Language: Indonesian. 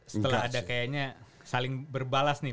setelah ada kayaknya saling berbalas nih